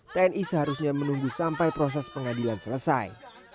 tni seharusnya menunggu sampai proses pengadilan selesai